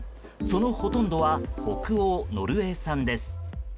そのほとんどは北欧ノルウェー産です。